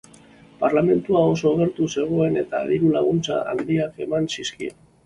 Parlamentua oso gertu zegoen eta diru-laguntza handiak eman zizkion.